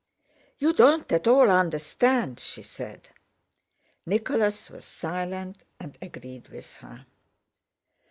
"You don't at all understand," she said. Nicholas was silent and agreed with her.